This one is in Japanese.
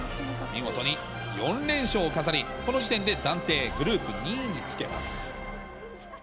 見事に４連勝を飾り、この時点で暫定グループ２位につけます。